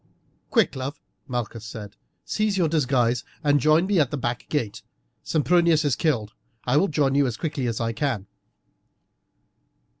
"Quick, love!" Malchus said; "seize your disguise and join me at the back gate. Sempronius is killed; I will join you as quickly as I can."